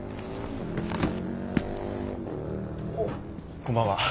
こんばんは。